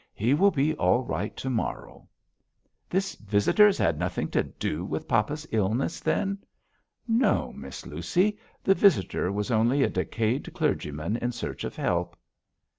He will be all right to morrow.' 'This visitor has had nothing to do with papa's illness, then?' 'No, Miss Lucy. The visitor was only a decayed clergyman in search of help.'